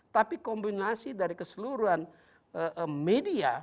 tapi kombinasi dari keseluruhan media